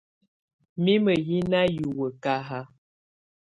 Mimǝ́ yɛ́ na hiwǝ́ kahá.